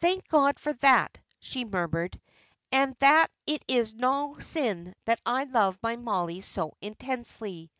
"Thank God for that," she murmured, "and that it is no sin that I love my Mollie so intensely."